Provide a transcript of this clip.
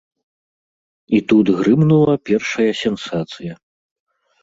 І тут грымнула першая сенсацыя.